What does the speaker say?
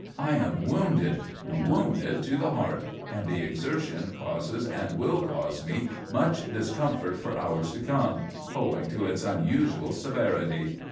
I am wounded wounded to the heart and the exertion causes and will cause me much discomfort for hours to come, owing to its unusual severity.